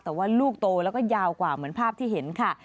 แต่ว่าลูกโตแล้วก็ยาวกว่าเหมือนภาพที่เห็นค่ะ